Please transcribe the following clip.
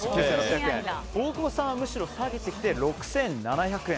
大久保さんはむしろ下げてきて６７００円。